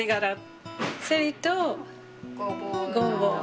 それとゴボウ。